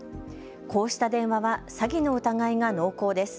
こうした電話は詐欺の疑いが濃厚です。